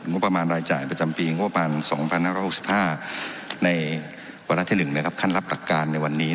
งบประมาณรายจ่ายประจำปีงบประมาณ๒๕๖๕ในวาระที่๑ขั้นรับหลักการในวันนี้